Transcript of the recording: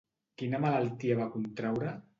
Quina malaltia va contraure?